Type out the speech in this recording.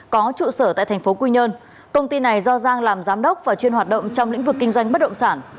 có trụ sở tại thành phố quy nhơn công ty này do giang làm giám đốc và chuyên hoạt động trong lĩnh vực kinh doanh bất động sản